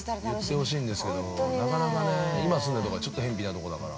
◆やってほしいんですけどなかなかね、今住んでるところがちょっと、へんぴなところだから。